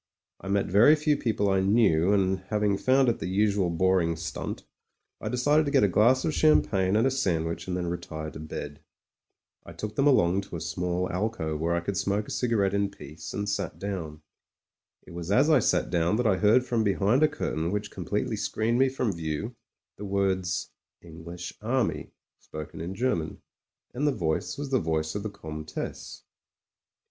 I met very few people I knew, and having found it the usual boring stimt, I decided to get a glass of champagne and a sandwich 86 MEN, WOMEN AND GUNS and then retire to bed. I took them along to a small alcove where I could smoke a cigarette in peace, and sat down. It was as I sat down that I heard from behind a curtain which completely screened me from view, the words "English Army" spoken in German. And the voice was the voice of the Comtesse.